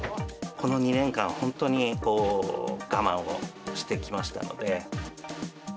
この２年間、本当に我慢をしてきましたので。